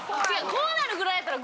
こうなるぐらいやったら。